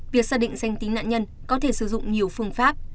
việc xác định danh tính nạn nhân có thể sử dụng nhiều phương pháp